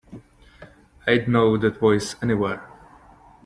I'd know that voice anywhere.